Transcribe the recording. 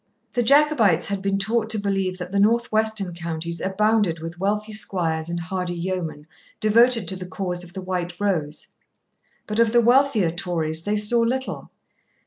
The Jacobites had been taught to believe that the north western counties abounded with wealthy squires and hardy yeomen, devoted to the cause of the White Rose. But of the wealthier Tories they saw little.